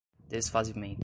desfazimento